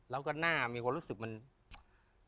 แล้วก็หน้ามีความรู้สึกมันมีขนมีอะไรอย่างนี้ครับ